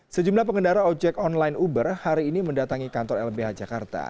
sejumlah pengendara ojek online uber hari ini mendatangi kantor lbh jakarta